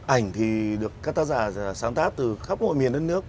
ảnh thì được các tác giả sáng tác từ khắp mọi nội miền